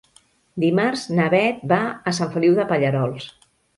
Dimarts na Beth va a Sant Feliu de Pallerols.